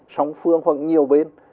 song phương khoảng nhiều bên